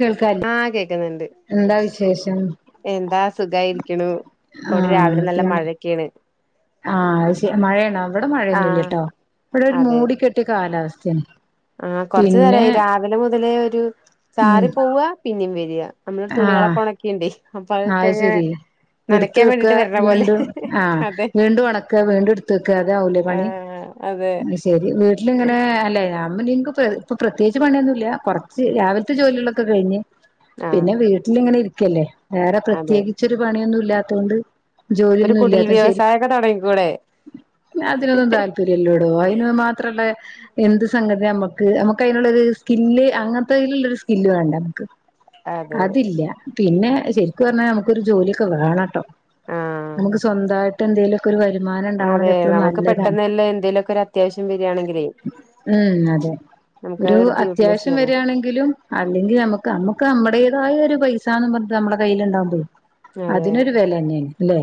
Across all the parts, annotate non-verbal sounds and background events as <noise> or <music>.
കേൾക്കാല്ലേ ആഹ് കേക്കുന്നുണ്ട് എന്താ വിശേഷം എന്താ സുഖയിരിക്കണു ഇപ്പ ഇവിടെ രാവിലെ നല്ല മഴയൊക്കെയാണ് ആ ആയ്ശ മഴയണോ ഇവിടെ ആഹ് മഴയൊന്നുമില്ലട്ടോ ഇവിടെ ഒരു അതെ മൂടിക്കെട്ടിയ കാലാവസ്ഥയാണ് ആഹ് കൊറച്ചു പിന്നെ നേരമായി രാവിലെ മുതലേ ഒരു ഉം ചാറി പോവാ പിന്നെയും വരിക നമ്മൾ ആഹ് തുണികളൊക്കെ ഉണക്കിണ്ട് അപ്പൊ അത് അതൊക്കെങ്ങനെ ശരി എടുത്ത് വെക്ക വീണ്ടും ആ അതെ വീണ്ടും ഉണക്കുക വീണ്ടും എടുത്ത് വെക്ക അതാവൂലേ പണി ആഹ് അതെ അത് ശെരി വീട്ടിലിങ്ങനെ അല്ലേ അമ്മനിക്ക് ഇപ്പ പ്രത്യേകച്ച് പണിയൊന്നുമില്ല കുറച്ച് രാവിലാത്തെ ജോലികളൊക്കെ കഴിഞ്ഞ് ആഹ് പിന്നെ വീട്ടിലിങ്ങനെ ഇരിക്കല്ലേ വേറെ അതെ പ്രത്യേകിച്ചൊരു പണിയൊന്നും ഇല്ലാത്തൊണ്ട് ഒരു ജോലിയൊന്നും ഇല്ല കുടിൽ അത ശരി വ്യവസായൊക്കെ തുടങ്ങിക്കൂടെ അതിനൊന്നും താല്പര്യല്ലോടോ അതിന് മാത്രള്ളെ എന്ത് സംഗതി നമ്മക്ക് നമുക്ക് അതിനുള്ളരു സ്കില് അങ്ങനത്തെതിലുള്ളരു സ്കില്ല് വേണ്ടെ നമുക്ക് അതെ അതില്ല പിന്നെ ശരിക്കും പറഞ്ഞാൽ നമുക്കൊരു ജോലിയൊക്കെ വേണംട്ടോ ആഹ് നമുക്ക് സ്വന്തമായിട്ട് എന്തെലുമൊക്കെ ഒരു വരു സമ്മാനം ഉണ്ടാവണത് അതെ എപ്പോഴും നമുക്ക് നല്ലതാണ് പെട്ടെന്നല്ല എന്തേലുമൊക്കെ ഒരു അത്യാവശ്യം വരിയാണെങ്കിലേ ഉം അതെ നമുക്ക് ഒരു അതെടുത്ത് യൂട്ടിലൈസ് അത്യാവശ്യം ചെയ്യാലോ വരിയാണെങ്കിലും അല്ലെങ്കിൽ നമുക്ക് നമ്മുക്ക് നമ്മുടേതായ ഒരു പൈസന്ന് നമ്മുടെ കയ്യിൽണ്ടാവും പോയി അതെ അതിനൊരു വേല തന്നെയ അല്ലെ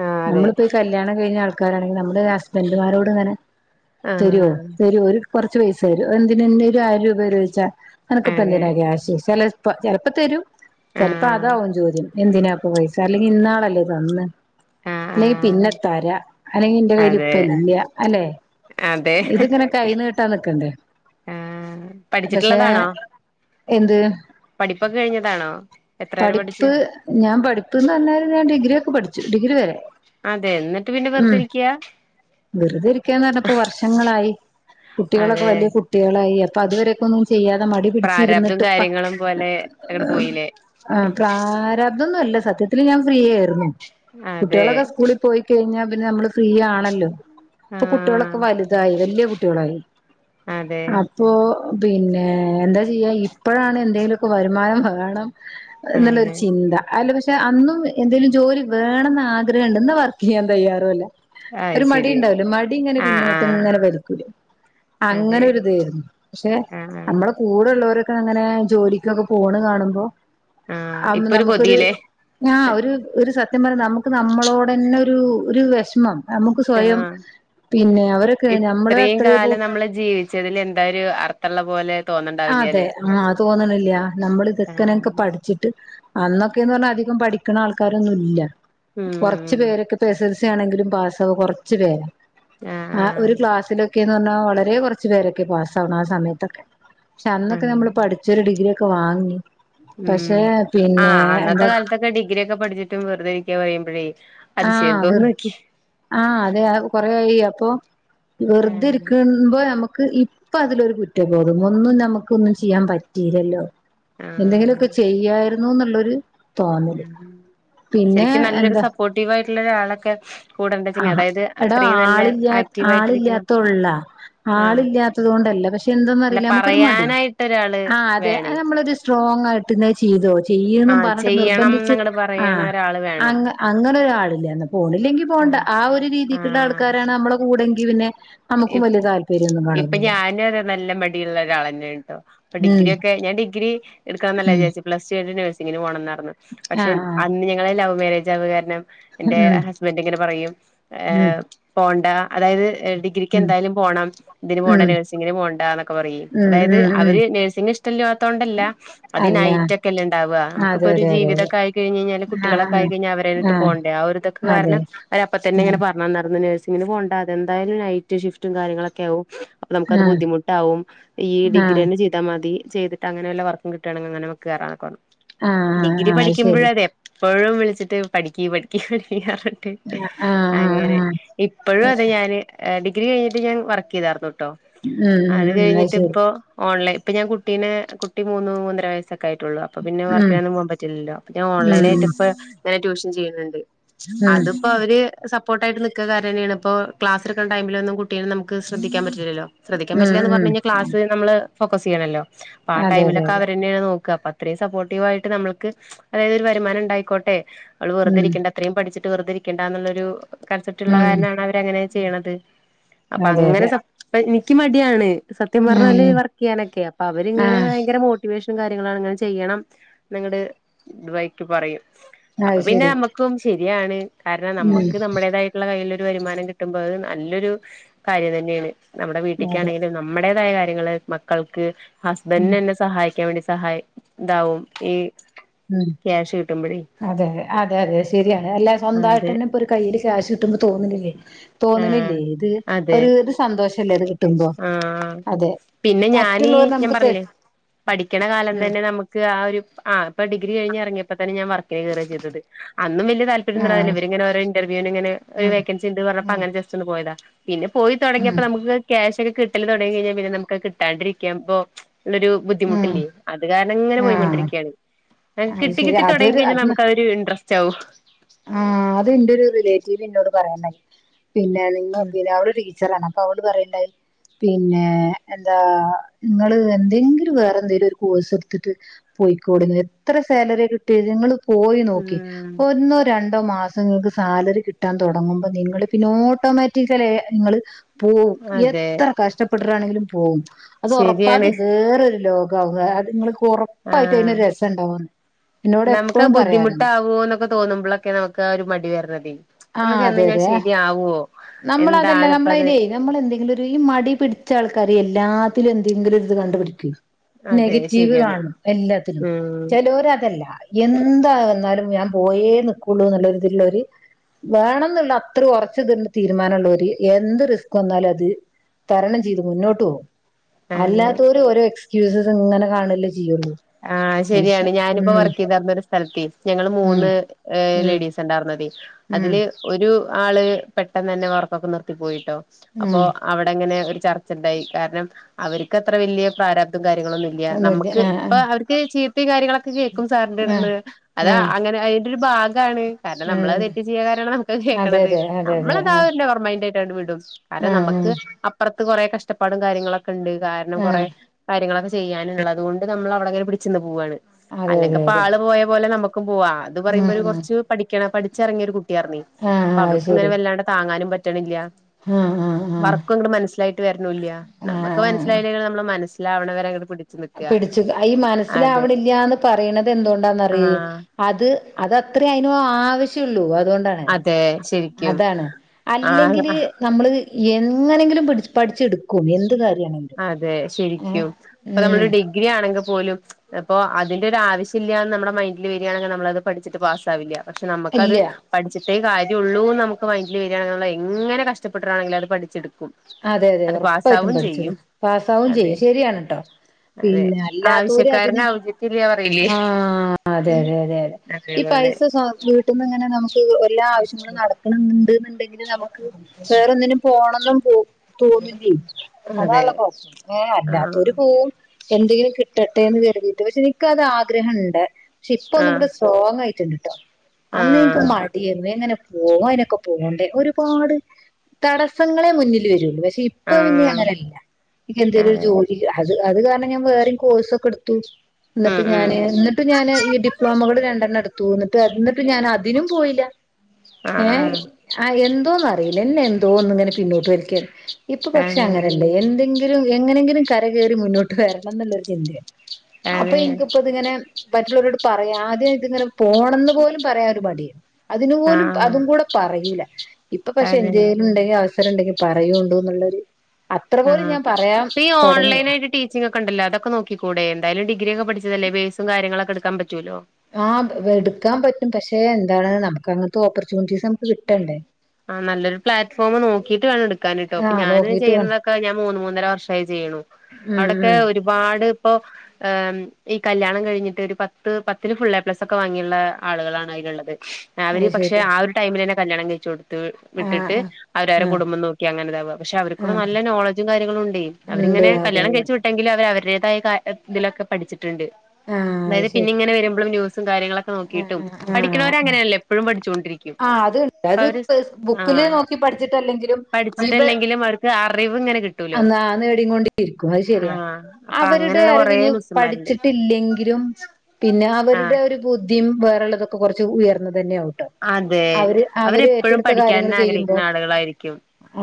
ആഹ് അതെ നമ്മളിപ്പോൊ ഈ കല്യാണം കഴിഞ്ഞ ആൾ നമ്മുടെ ഹസ്ബന്ഡുമാരോട് അങ്ങനെ ആഹ് തരോ ഒരു പൈസ വരും എന്തിന ഒരു ആയിരം രൂപ തരോ ചോയ്ച്ചാൽ അനക്കിപ്പ അതെ എന്തിനാ ക്യാശ് ചില ചെപ്പോ തരും ചിലപ്പോ ആഹ് അതാവും ചോദ്യം എന്തിനാപ്പ പൈസ അല്ലെങ്കിൽ ഇന്നാളല്ലേ തന്ന് ആഹ് അല്ലെങ്കി ആഹ് പിന്നെത്താര അല്ലെങ്കി എന്റെ കയ്ൽ അതെ ഇപ്പല്യ അല്ലെ അതെ ഇതിങ്ങനെ കയ്യിന്ന് കിട്ടാ നിക്കണ്ടേ ആ പക്ഷെ പഠിച്ചിട്ടുള്ളതാണോ എന്ത് പഠിപ്പൊക്കെ കഴിഞ്ഞതാണോ എത്ര വരെ പഠിച്ചു പഠിപ്പ് ഞാൻ പഠിപ്പ്ന്ന് പറഞ്ഞല് ഞാൻ ഡിഗ്രി ഒക്കെ പഠിച്ചു ഡിഗ്രി വരെ അതെ എന്നിട്ട് പിന്നെ ഉം വെറുതിരിക്കയാ വെറുതെ ഇരിക്കന്ന് പറഞ്ഞപ്പ വർഷങ്ങളായി കുട്ടികളൊക്കെ അതെ വലിയ കുട്ടികളായി അപ്പ അതുവരൊക്കെ ഒന്നും ചെയ്യാതെ മടി പിടിച്ച പ്രാരാബ്ദും ഇരുന്നിട്ട് ഇപ്പ കാര്യങ്ങളും പോലെ അങ്ങട് പോയില്ലേ ആ പ്രാരബ്ദൊന്നുംമല്ല സത്യത്തില് ഞാൻ ഫ്രീ ആയിരുന്നു അതെ കുട്ടികളൊക്കെ സ്കൂളിൽ പോയി കഴിഞ്ഞാ പിന്നെ നമ്മള് ഫ്രീ ആണല്ലോ ഇപ്പൊ ആഹ് കുട്ടികളൊക്കെ വലുതായി വലിയ കുട്ടികളായി അതെ അപ്പൊ പിന്നെ എന്താ ചെയ്യാ ഇപ്പഴാണ് എന്തെങ്കിലുമൊക്കെ വരുമാനം വേണം എന്നുള്ളരു അതെ ചിന്ത അല്ല പക്ഷെ അന്നും എന്തെലും ജോലി വേണംന്ന് ആഗ്രഹം ഉണ്ട് ന്നാ വർക്ക് ചെയ്യാൻ തയ്യാറും അല്ലേ അത് ഒരു മടി ശരി ഇണ്ടാവലോ മടി ഇങ്ങനെ ആഹ് പിന്നോട്ട് ആഹ് ഇങ്ങനെ വലികൂലെ അതെ അങ്ങനോരിതായിരുന്നു പക്ഷെ ആഹ് നമ്മള കൂടെള്ളവരെ അങ്ങനെ ജോലിക്കൊക്കെ പോണ് കാണുമ്പോ ആഹ് അ ഇപ്പൊ ഒരു നമുക്കൊരു കൊതിയില്ലേ ആ ഒരു സ സത്യം പറയാ നമുക്ക് നമ്മളോട് തന്നെ ഒരു ഒരു വിഷമം നമുക്ക് സ്വയം ആഹ് പിന്നെ അവരൊക്കെ നമ്മള് ഇത്രയും അത്രയ പോ കാലം നമ്മള് ജീവിച്ചതിൽ എന്താ ഒരു അർത്ഥള്ള പോലെ അതെ തോന്നണ്ടാവില്ലല്ലേ ആഹത് തോന്നണില്ല നമ്മൾ ആഹ് ഇതൊക്കനെയൊക്കെ പഠിച്ചിട്ട് അന്നൊക്കെന്ന് പറഞ്ഞാൽ അധികം പഠിക്കണ ആൾക്കാരൊന്നുംല്ല കുറച്ച ഉം പേരൊക്കെ പസ ആണെങ്കിലും പാസ്സ കുറച്ച് പേരാ ആഹ ആഹ പറഞ്ഞാൽ വളരെ കുറച്ചു പരൊക്കെ പാസ്സാവണം ആ സമയത്തൊക്കെ പെ അന്നൊക്കെ അങ്ങനെ നമ്മൾ പഠിച്ച ഒരു ഡിഗ്രിക്കെ കവാഗി ഉം ആ അന്നത്തെ കാലത്തൊക്കെ ഡിഗ്രി ഒക്കെ പഠിച്ചിട്ടും വെറുതെ ഇരിക്കാ പറയുമ്പോയ് ആ ആ അതെ കൊറായി അപ്പൊ വെറുതെ ആഹ് ഇരിക്കുമ്പോ നമുക്ക് ക്ക് ഇപ്പൊ അതിലൊരു കുറ്റബോധം ഒന്നും നമുക്ക് ഒന്നും ചെയ്യാൻ പറ്റില്ലല്ലോ ആഹ് എന്തെങ്കിലുമൊക്കെ ചെയ്യായിരുന്നു ന്നുള്ളൊരു തോന്നല് ആഹ് പിന്നെ എന്താ ആക്റ്റീവ് ആയിട്ടുള്ള അളൊക്കെ കൂടെണ്ടിചിഗിൽ ആഹ് അതായത് എടാ അത്രയും നല്ല ആളില്ലാ ആക്റ്റീവ് ആയിട്ടിരിക്കണം ആളില്ലാത്തോള്ളാ ആളില്ലാത്തത് കൊണ്ടല്ല പക്ഷെ എന്തന്ന അല്ല അറിയില്ല നമുക്കരു മടി പറയാനായിട്ട് ഒരാള് ആ അതെ അ വേണേ നമ്മളരു സ്ട്രോ സ്രോഗ് ആയിട്ട് നെ ചെയ്തോ ചെയ്ന് ആഹ് പറഞ്ഞിട്ട് നിർബന്ധിച്ച് ചെയ്യണംന്നങ്ങട് ആ പറയണ ഒരാള് വേണം അങ്ങ <unintelligible> ആളില്ലേ പോണില്ലെങ്കിൽ പോണ്ട ആഹ് ആ ഒരു രീതിക്കുള്ള ആഹ് ആൾക്കാരാണ് നമ്മളെ കൂടെങ്കി പിന്നെ നമുക്കും ഇപ് വലിയ താല്പര്യം ഇപ്പൊ ഞാന് നല്ല മടിള്ള ഒരാൾന്നെ ട്ടോ ഇപ്പൊ ഉം ഡിഗ്രി ഒക്കെ ഞാൻ ഡിഗ്രി എടുക്കാൻ ഉം വിചാരിച്ചു പ്ലസ് ടുകഴിഞ്ഞ് നഴ്സിങ്ങിന് പോണന്ന് പറഞ്ഞു പക്ഷെ ആഹ് ആഹ് അന്ന് ങ്ങളെ ലവ് മേരെജ് അയത്കരണം ഉം എന്റെ ഹസ്ബൻഡ് ഇങ്ങനെ പറയും ഉം പോണ്ട അതായത്ടികി ഡിഗ്രരിക്ക് ഉം എന്തായാലും പോകണം ഇതിന് പോണ്ട ഉം നഴ്സിങ്ങിന് പോകണ്ടന്നൊക്കെ പറയും ഉം അതായത് ഉം ഉം അവര് നഴ്സി ഇഷ്ടല്ല തോണ്ടല്ല അത് അല്ല നൈറ്റ ഒക്കെല്ലെ ണ്ടാവ നമുപ്പോ അതെ ഒരു അതെ അതെ അതെ ജീവിതംക്കെ ആയി കഴിഞ് കഴഞ്ഞാല് ആഹ് കുട്ടികളൊക്കെയി കഴിഞ്ഞാൽ അവരട്ട് ആഹ് പോണ്ട ആ ഒരു ഇതക്കെ ആഹ് അതെ കാരണം അവര് അപ്പ ഉം തന്നെങ്ങെ പറഞ്ഞ നയിരുന്നു നൈസിഗിന് പോണ്ട അദെന്തായാലും നൈറ്റ് ഷിഫ്റ്റും കാര്യങ്ങളൊക്കെ ആകും അപ്പൊ നമുക്കത് ആഹ് ബുദ്ധിമുട്ടാവും ഈ ഡിഗ്രി തന്നെ ചെയ്താൽ മതി ചെയ്തിട്ട് അങ്ങനെവല്ല വർക്കും കിട്ടാണെങ്കിൽ അങ്ങനെ നമ്മുക്ക് കേയറാന്നൊക്കെപറഞ്ഞു ആഹ് ആഹ് ആഹ് അത് ഡിഗ്രിപഠിക്കുമ്പയ്‌ ശരി അതെ എപ്പോഴും വിളിച്ചിട്ട് പഠിക്കി പഠിക്കി <unintelligible> ട്ട് ആഹ് അങ്ങനെ ആഹ് ഇപ്പോഴും അത് ഞാന് ഡിഗ്രി കഴിഞ്ഞിട്ട് ഞാൻ വർക്ക് ചെയ്തർന്നു ട്ടോ അത് കഴിഞ്ഞിട്ട് ആഹ് ഇപ്പോ ഓൺലൈൻ ഇപ്പൊ ഞാൻ കുട്ടിനെ കുട്ടി മൂന്ന് മൂന്നര വയസ്സക്കെ ക്കെയിട്ടുള്ളൂ അപ്പ പിന്നെ ഉം വർക്കിനൊന്നും പോകൻ പറ്റില്ലല്ലോപ്പൊ ഞൻ ഉം ഉം അത് ശരി ഉം ഓൺലൈൻ ആയി് ഉം ഇപ്പ ഇങ്ങന ട്യഷൻ ചെയ്യുന്നുണ്ട് ഉം അതിപ്പോ അവര് സപ്പോർട്ട് ആയിട്ട് നിക്കക്കാരം യാണ് ഇപ്പോ ക്ലാസ്ക്ക ടമിലഒന്നും കുട്ടിയെ നമു ശ്രദ്ധിക്കാൻ പില്ലല്ലോ ശ്രദിക്കാൻ ഉം പില്ലന്ന് ഉം പറഞ്ഞാ ക്ലാസ് നമ്മള് ഫോക്കസ് ചെയ്യണല്ലോ അപ്പൊ ആ അതെ അതെ ടൈമിലൊക്കെ അതെ അവരന്നെയ നോക്കി ക്ക അത്രീം സപ്പോർട്ടീവ ആയിട്ട് നമുക്ക് അതായത് ഒരു വരുമാനം ഉണ്ടായിക്കോട്ടെ അവള് വെറുതി ഉം ഇരിക്കേണ്ട അത്രയും പഠിച്ചിട്ട് വെറുതെ ഇരിക്കണ്ട എന്നുള്ളൊരു കൺസറ്റ് ള്ള ഉം കാരണംണ് അവര്ങ്ങനെ ചെയ്യണത് അപ്പൊ അതെ അങ്ങനെ അതെ സപ്പ എനിക്ക് മടിയാണ് സത്യം പറഞ്ഞാല് ഉം വർക്ക് ചെയ്യാനൊക്കെ അപ്പൊ അവരിങ്ങനെ ആഹ് ഭയങ്കര മോട്ടിവേഷൻ കാര്യങ്ങള അങ്ങനെ ചെയ്യണം നിങ്ങളുടെ വൈക്ക് പറയും അപ്പൊ അത് പിന്നെ ശരി നമുക്കും ശരിയാണ് കാരണം ഉം നമ്മുക്ക് നമ്മുടേതായിട്ടുള്ള കയ്യിൽ വരുമാനം കിട്ടുമ്പോ അത് നല്ലൊരു കാര്യം തന്നെയാണ് നമ്മുടെ അതെ വീട്ടിക്കാനെങ്കിലും നമ്മ തായ കാര്യങ്ങൾ മക്കൾക്ക് ഉം ഹസ്ബൻഡ തന്നെ സഹായിക്കാൻ വേണ്ടി സഹായി ഇതാവും ഈ ഉ ക്യാഷ് കിട്ടുമ്പോഴേ അതെതെ അതെ അതെ ശരിയണ് അല്ല അതെ സ്വന്തമായിട്ട്ന്നെ ഇപ്പൊ ഒരു കയ്ൽ ക്യാശ് കിട്ടുമ്പോ തോന്നലില്ലേ തോന്നലില്ലേ ആഹ് ഇത് അതെ ഒരു ഇത് സന്തോഷമല്ലേ ഇത് കിട്ടുമ്പോ ആഹ് അതെ പിന്നെ ഞാന് മറ്റുള്ളർ ഞാൻ നമുക്ക് ത പറഞ്ഞില്ലേ പഠിക്കണ കാലം ഉം തന്നെ നമുക്ക് ആ ഒരു ആ ഇപ്പൊ ഡിഗ്രി കഴിഞ്ഞ ഇറങ്ങിയപ്പോ ഞാൻ വർ ക്കിന് കേറെ ചെയതത് അന്നും വല താല്പര്യം ഉണ്ടാവില്ല ആഹ് ഇവർങ്ങനെ ഒരേ ഇന്ർവിനു ങ്ങനെ ഉം വെക്കാൻസി ണ്ട് പറ അപ്പ ഉം അങ്ങനെജസ്റ്റ് ഒന്ന് പോതാ പിന്നെ പോയി തുടങ്ങിയപ്പോ ഉം നമുക്ക് ക്യാഷ് ഒക്കെ കിട്ടല് തുടങ്ങി കഴിഞ്ഞാ പിന്നെ നമുക്ക് കിട്ടാണ്ടിരിക്കാം ഇ്പൊ ഉള്ളൊരു ഉം ബുദ്ധിമുട്ടില്ലേ അത് കാരണം ഇങ്ങനെ ആഹ് പോയിക്കൊണ്ടിരിക്കുകയാണ് <unintelligible> അത് കിട്ടി ശരി കിട്ടി തുടങ്ങി കഴിഞ്ഞാൽ നമുക്ക് ഒരു ഇൻട്രസ്റ്റ് ആകും ആ അത് എന്റെറെ ഒരു റിലേറ്റീവ് എന്നന്നോട് പറയണ്ടായി പിന്നെ നിങ്ങ പിന്നെ അവളെടി ച്ചറ അപ്പൊ അവള് പറയണ്ടയി പിന്നെ എന്താ നിങ്ങള് എന്തെങ്കിലും വേറെ എന്തെിലും ഒരു കോഴ്സ് എടുത്തിട്ട് പൊയ്ക്കോളിന്ന് എത്ര സാലറിയ കിട്ട <unintelligible> നിങ്ങൾ പോയി നോക്കി ഉം ഒന്നേ രണ്ടോ മാസം നിങ്ങക്ക് സാലറി കിട്ടാൻ തുടങ്ങുമ്പോ നിങ്ങള് പിന്നെ ഓട്ടോമാറ്റിക്കല നിങ്ങള് പോവും അതെ എത്ര കഷ്ടപ്പെട്ടിട്ടാണെങ്കിലും പോവും അത് ഉറപ്പാ അത് ശരിയാണ് വേറരു ലോകം അത് നിങ്ങള്ക്കൊറപ്പായിട്ട് അതിന് ആഹ് രസം ഉണ്ടാവും ഇന്നോട് എപ്പോഴും പറയാർണ്ട് തോന്നുമ്പോളൊക്കെ നമുക്ക് ആ ഒരു മടി വരണതെ നമ്മുക്ക് ചെന്നഞ്ഞാൽ ശരിയാവോ നമ്മളതെല്ല എന്താണിപ്പത് നമ്മളയില് നമ്മളെന്തെങ്കിലുരു ഈ മടി പിടിച്ച ആൾക്കാരേയ് എല്ലാത്തിലും എന്തെങ്കിലൊരുത് കണ്ടുപിടിക്കൊയ് അതെ നെഗറ്റീവ് ശരിയാണ് കാണും എല്ലാത്തിനും ഉം ചിലോരതല്ല എന്തായവന്നാലും ഞാൻ പോയേനിക്കുള്ളൂ എന്നുള്ളൊരുത്ള്ളോര് വേണംന്നുള്ള അത്ര ഒറച്ച്തിണ്ട്‌ തീരുമാനള്ളോര് എന്ത് റിസ്ക് വന്നാലും അത് തരണം ചെയ്ത് മുന്നോട്ട് പോവും അതെ അല്ലാത്തോര് ഓരോ എക്സ്ക്യൂസ്സ് ഇങ്ങനെ കാണല്ലേ ചെ ആ ശരിയാണ് ഞാനിപ്പോ വർക്കീതെർന്ന ഒരു സ്ഥലത്തെ ഞങ്ങൾ ഉം മൂന്ന് ഉം ലേഡീസണ്ടാർന്നതയ് ഉം അതില് ഒരു ആള് പെട്ടെന്നന്നെ വർക്കൊക്കെ നിർത്തി പോയിട്ടോ അപ്പോ ഉം അവിടെങ്ങനെ ഒരു ചർച്ചണ്ടായി കാരണം അവർക്ക് അത്ര വല്യ പ്രാരബ് ധും കാര്യങ്ങളൊന്നുംല്ല്യ ഒന്നുല്ല നമ്മക്ക് ആഹ് ഇക്ക് ചീത്തിം കാര്യങ്ങളൊക്കെ കേൾക്കും ആഹ് സാറിന്റര്ത്ന്ന് അത് ആഹ് അങ്ങെനെ അതിന്റൊരു ഭാഗ ഗാണ് കാരണം ആഹ് നമ്മളത് ഉം തെറ്റ് ചെയ്യാ കാരാണ് നമുക്കത് അതെ കേക്കണത് അതെ അതെ അതെ ആഹ് നമ്മളതാഒര് നെവർമ്മൈന്റായിട്ടാണ്ട്‌ വിടും കാരണം ആഹ് നമ്മക്ക് അപ്പർ ത്ത് കുറേ കഷ്ടപ്പാടും കാര്യങ്ങളൊക്കെണ്ട് കാരണം ആഹ് കുറേ കാര്യങ്ങളൊക്കെ ചെയ്യാനുള്ളതുകൊണ്ട് നമ്മളവടങ്ങെനെ പിടിച്ചുന്ന് പോവാണ് അതെ അതെ അതെ അല്ലെങ്കിപ്പാള് പോയ പോലെ നമ്ക്കും പോവാ അത് പറയുമ്പോരു ഉം കുറച്ച് പഠിക്കണ പഠിച്ചിറങ്ങിയ ഒരു കുട്ടി കുട്ട്യേർന്നു ആഹ് അപ്പൊ ആഹ് അത് അവൾക്ക്ങ്ങനെ ശരി വല്ലാണ്ട് താങ്ങാനും പറ്റണില്ല ആഹ് ആഹ് ആഹ് വർക്കുംങ്ങട് മനസ്സിലായിട്ട് വരുണൂല്ല്യ നമ്മക്ക് ആഹ് മനസ്സിലായില്ലെങ്കിൽ നമ്മ മനസ് ലാവണവരെ അങ്ങട് പിടിച്ച് നിക്ക പിടിച്ചു ഈ മനസ്സിലാവണില്ല്യാന്ന് പറയണത് എന്തുകൊണ്ടാന്നറിയോ ആഹ് അത് അതത്രേ അയിനോ ആവശ്യള്ളൂ അതുകൊണ്ടാണ് അതേ അതാണ് അല്ലെങ്കില് നമ്മള് എങ്ങനെങ്കിലും പഠി പഠിച്ച്ടുക്കും എന്ത് കാര്യാണെങ്കിലും അതേ ഏഹ് ശരിക്കും ഇപ്പൊ ഉം നമ്മളൊരു ഡിഗ്രി ആണെങ്കി പോലും അപ്പോ അതിന്റെ ഒരു ആവശ്യല്ലാന്ന് നമ്മുടെ മൈൻഡില് വരിയാണെങ്കി നമ്മളത് പഠിച്ച്ട്ട് പാസാവില്ല പക്ഷെ നമ്മുക്കത് ഇല്ല പഠിച്ട്ട് ട്ടേ കാര്യോള്ളൂന്ന് നമുക്ക് മൈൻഡില് വരിയാണെൽ എങ്ങന കഷ്ടപ്പെട്ട്ട്ടാണെങ്കിലും അത് പഠിച്ചെടുക്കും അതെ അതെ അത് ഉറപ്പായിട്ടും പാസ്സാവും ചെയ്യും പഠിച്ചും പാസ്സാവും അതെ ചെയ്യും ശരിയാണ് ട്ടോ അതെ പിന്നെ അല്ലാത്തോര് അതിന് ആവശ്യക്കാരന് ഔചിത്യമില്ല പറയില്ലേ ആ അതെതെ അതെതെ ഇപ്പ അതേപോലെ പൈസ സ്വ വീട്ട്ന്ന്ങ്ങനെ നമുക്ക് എല്ലാ ആവശ്യങ്ങളും നടക്ണ് ണ്ട്‌ന്ന്ണ്ടെങ്കിൽ നമുക്ക് വേറൊന്നിനും പോണംന്നും തോന്നില്ല്യേയ് അതെ അതാള്ള കുഴപ്പം ഏ ആഹ് അല്ലാത്തോര് പോവും എന്തെങ്കിലും കി കിട്ടട്ടെന്ന് കരുതിയിട്ട് പക്ഷെ നിക്കത് ആഗ്രഹംണ്ട് പക്ഷെ ഇപ്പൊ ഒന്നും കൂടെ സ്ട്രോങ് ആയിട്ടുണ്ട്ട്ടോ അന്നേക്ക്‌ ആഹ് മടിയാരുന്നു എങ്ങനെ പോക അനൊക്കെ പോണ്ടേ ഒരുപാട് തടസ്സങ്ങളെ മുന്നിൽ വരുള്ളു പക്ഷേ ആഹ് ഇപ്പ പിന്നെ ആഹ് അങ്ങനെല്ല ഇക്കെന്തെലും ഒരു അതെ ജോലി അ അത് കാരണം ഞാൻ വേറെം കോഴ്സൊക്കെടുത്തു ഉം ന്നിട്ട് ഉം ഞാന് ന്നിട്ടും ഞാന് ഈ ഡിപ്ലോമകൾ രണ്ടെണ്ണംടുത്തു ന്നിട്ട് ന്നിട്ട് ഞാൻ അതിനും പോയില്ല ഏ ആഹ് ആ എന്തോന്നറിയില്ല എന്നെ എന്തോന്ന് ഇങ്ങനെ പിന്നോട്ട് വലിക്കാണ് ഇപ്പൊ പക്ഷെ അങ്ങനല്ല എന്തെങ്കിലും എങ്ങനെങ്കിലും കര കയറി മുന്നോട്ട് വരണംന്നുള്ളരു ചിന്തയാണ് അതെ അപ്പൊ അതെ ഇനിക്ക്‌പ്പോത്ങ്ങന മറ്റുള്ളവരോട് പറ ആദ്യം ഇതിങ്ങനെ പോണംന്ന് പോലും പറയാ ഒരു മടിയാരുന്നു അതിനുപോലും ആഹ് അതും കൂടെ പറയൂല ഇപ്പ പക്ഷെ അതെ എന്തേലുംണ്ടെങ്കി അവസരംണ്ടെങ്കിൽ പറ ണ്ടോന്നുള്ളരു ആഹ് ഇപ്പൊ ഓൺലൈൻ ആയിട്ട് ടീച്ചിങ്ങൊക്കെണ്ടല്ലോ അതൊക്കെ നോക്കിക്കൂടെ എന്തായാലും ഡിഗ്രി ഒക്കെ പഠിച്ച ല്ലേ ബേസ് ഉം കാര്യങ്ങളൊക്കെടുക്കാ പറ്റൂല്ലോ ആഹ്‌ എടുക്കാൻ പറ്റും പക്ഷെ എന്താണ് നമുക്ക് അങ്ങനതെ ഓപ്പർ നമുക്ക് കിട്ടണ്ടേ ആ നല്ലൊരു പ്ലാറ്റ്ഫോമ് നോക്കീട്ട് വേണം എടുക്കാൻട്ടോ അപ്പ ആഹ് ഞാന് നോക്കിട്ട് വേണം ചെയ്യുന്നതൊക്കെ ഞാൻ മൂന്ന് മൂന്നര വർഷായി ചെയ്യു ഉം അവിടൊക്കെ ഉം ഒരുപാട് ഇപ്പൊ ഏ ഈ കല്യാണം കഴിഞ്ഞിട്ട് ഒരു പത്ത് പത്തിന് ഫുൾ എ പ്ലസ് ഒക്കെ വാങ്ങിയുള്ള ആളുകളാണ് അയിലുള്ളത് അത് അവര് പക്ഷെ ശരി ആ ഒരു ടൈമില് തന്നെ കല്യാണം കഴിച്ചു കൊടുത്തു ആഹ് വിട്ടിട്ട് ആഹ് അവര് അവരിടെ ആഹ് കുടുംബം നോക്കി അങ്ങനെതാവുക പക്ഷെ അവർക്കൊ ആഹ് നല്ല നോളജും കാര്യങ്ങളുണ്ടേ അവ ഉണ്ട് അങ്ങന അതെ കല്യാണം കഴിച്ചു വിട്ടെങ്കിലും അവര് അവര <unintelligible> ഇതിലൊക്കെ പഠിച്ചിട്ടുണ്ട് ആഹ് അത് അതായത് പിന്നെ ശരി ഇങ്ങനെ വരുമ്പളും ന്യൂസും കാര്യങ്ങളും ക്കെ ആഹ് നോക്കിയിട്ടും പഠിക്കുന്നവരങ്ങനെയല്ലേ എപ്പഴും പഠിച്ചൊണ്ടിരിക ആ അത്ണ്ട് അത് ബുക്കില് നോക്കി പഠിച്ചിട്ടല്ലെങ്കിലും <unintelligible> പഠിച്ചിട്ടില്ലെങ്കിലും അവർക്ക് അറിവ് ഇങ്ങനെ കിട്ടൂലോ അന്നാ നേടീ കൊണ്ടിരിക്കും അത് ശരിയാ ആഹ് അപ്പൊ അവരുടെ അങ്ങനെയുള്ള കൊറേ അറിവിന് മിസ്സുമാരുണ്ട് പഠിച്ചിട്ടില്ലെങ്കി ങ്കിലും പി അവരുടെ ആഹ് ഒരു ബുദ്ധിയും വേറള്ളതൊക്കെ കൊറച്ച് ഉയർന്ന അതെ അവരെപ്പോഴും ഏറ്റെടുത്ത കാര്യങ്ങൾ പഠിക്കാൻ ചെയ്യുമ്പോ ആഗ്രഹിക്കുന്ന ആളുകളായിരിക്കും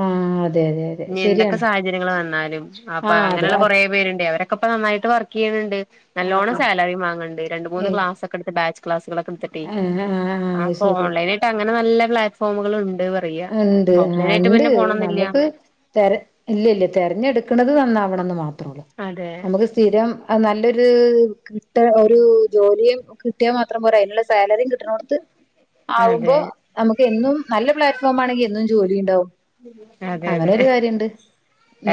ആഹ് അതെ അതെ അതെ ഇനി ശരിയാണ് എന്തൊക്കെ സാഹചര്യങ്ങള് വന്നാലും അപ്പൊ ആഹ് അതെ അങ്ങനെയുള്ള കുറേ പേരുണ്ടെ അവരൊക്കെപ്പ നന്നായിട്ട് വർക്ക് ചെയ്യുന്നുണ്ട് നല്ലോണം ആഹ് സാലറിം വാങ്ങ്ണ്ട് രണ്ട് ഏ മൂന്ന് ക്ലാസൊക്കെണ്ട് ഇപ്പം ബാച്ച് ക്ലാസ്സുകളൊക്കെ എടുത്തിട്ടെ ആഹ് ആ ആഹ് അപ്പൊ ശരി ഓൺലൈനായിട്ട് അങ്ങനെ നല്ല പ്ലാറ്റ്ഫോമുകള്ണ്ട് പറയാ ഇണ്ട് ഓഫ്‌ലൈൻ ആ ആയിട്ട് ഇണ്ട് പിന്നെ പോണംന്നില്ല നമുക്ക് തെര ഇല്ലല്ല തെരഞ്ഞെടുക്ക്ണത് നന്നാവണം ന്ന്മാ മാത്രേള്ളൂ അതെ നമ്മക്ക് സ്ഥിരം നല്ലൊരു കിട്ട ഒരു ജോലിയും കിട്ടിയാൽ മാത്രം പോരാ അതിനുള്ള സാലറിയും കിട്ടണോടുത്ത് ആവുമ്പോ അതെ നമുക്ക് എന്നും നല്ല പ്ലാറ്റ്ഫോം ആണെങ്കി എന്നും ജോലി ഇണ്ടാവും അതെ അങ്ങനെ അതെ ഒരു കാര്യണ്ട്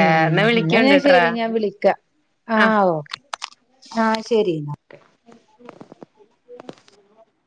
ഏ എന്നാ എന്ന ഞാൻ വിളിക്കോണ്ടിട്രാ ശെരി ഞാൻ വിളിക്കാം ആ ആഹ് ഓക്കെ ആ ശരി ന്നട്ട്